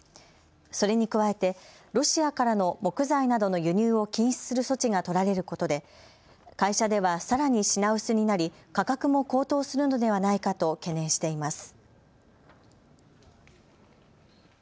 それに加えて、ロシアからの木材などの輸入を禁止する措置が取られることで会社ではさらに品薄になり価格も高騰するのではないかと懸念しています。